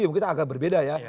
mungkin agak berbeda ya